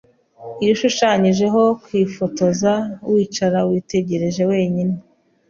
Iyo ushushanyijeho kwifotoza, wicara witegereje wenyine.